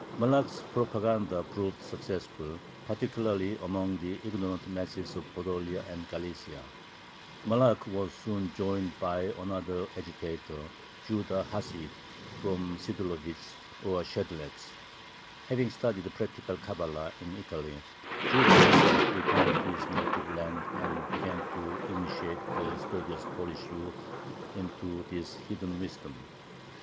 Malakh's propaganda proved successful, particularly among the ignorant masses of Podolia and Galicia. Malakh was soon joined by another agitator, Judah Hasid, from Shidlovitz or Shedletz. Having studied Practical Cabala in Italy, Judah Hasid returned to his native land and began to initiate the studious Polish youths into this hidden wisdom.